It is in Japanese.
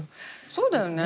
そうだよね。